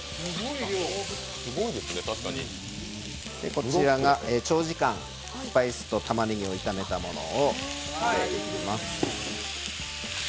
こちらが長時間スパイスと玉ねぎを炒めたものを入れていきます。